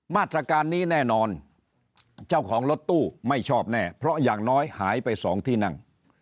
มาตรการนี้แน่นอนเจ้าของรถตู้ไม่ชอบแน่เพราะอย่างน้อยหายไปสองที่นั่ง